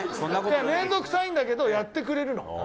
面倒くさいんだけどやってくれるの。